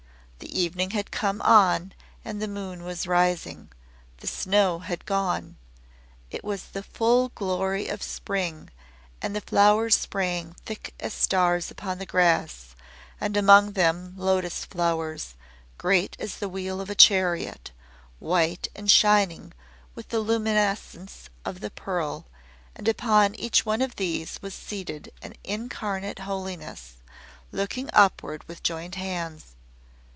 The evening had come on and the moon was rising. The snow had gone. It was the full glory of spring, and the flowers sprang thick as stars upon the grass, and among them lotos flowers, great as the wheel of a chariot, white and shining with the luminance of the pearl, and upon each one of these was seated an incarnate Holiness, looking upward with joined hands.